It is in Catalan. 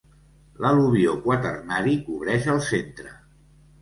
L'al·luvió quaternari cobreix el centre.